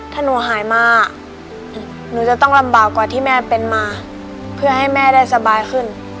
ถ้าหนูหายมาหนูจะต้องลำบากกว่าที่แม่เป็นมาเพื่อให้แม่ได้สบายขึ้น